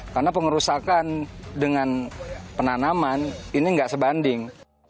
karena pengerusakan dengan penanaman ini tidak sebanding